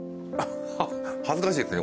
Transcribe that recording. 恥ずかしいですね